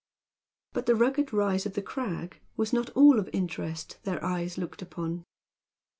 But the rugged rise of the crag was not all of interest their eyes looked upon.